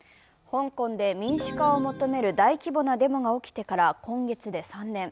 香港で民主化を求める大規模なデモが起きてから今月で３年。